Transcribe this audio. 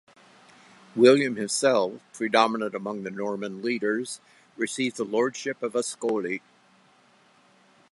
William himself, predominant among the Norman leaders, received the lordship of Ascoli.